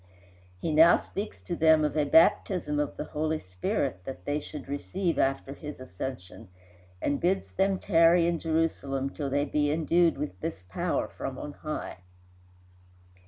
He now speaks to them of a baptism of the Holy Spirit that they should receive after his ascension, and bids them tarry in Jerusalem till they be endued with this power from on high.